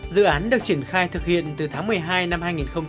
dự án được triển khai thực hiện từ tháng một mươi hai năm hai nghìn một mươi hai